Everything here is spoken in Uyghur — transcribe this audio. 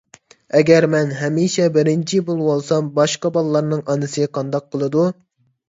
ئەگەر مەن ھەمىشە بىرىنچى بولۇۋالسام، باشقا بالىلارنىڭ ئانىسى قانداق قىلىدۇ؟